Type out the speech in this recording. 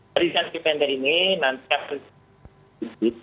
dari cm pendek ini nanti